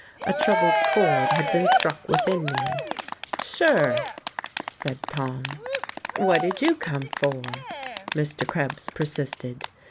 A troubled chord had been struck within me. "Sure," said Tom. "What did you come for?" Mr. Krebs persisted.